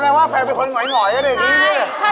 อ๋อแปลว่าแฟนเป็นคนเหง่อยก็ได้อย่างนี้ด้วยนะครับใช่